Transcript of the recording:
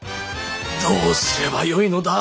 どうすればよいのだ？